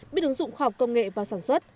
biết ứng dụng khoa học công nghệ vào sản xuất